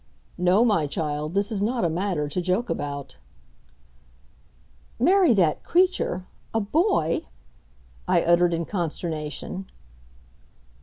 "No, my child, this is not a matter to joke about." "Marry that creature! A boy!" I uttered in consternation.